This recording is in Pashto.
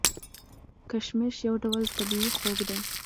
کشمش یو ډول طبیعي خوږ دی.